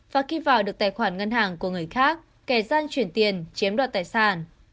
và khi vào được tài khoản ngân hàng của người khác kẻ gian chuyển tiền chiếm đoạt tài sản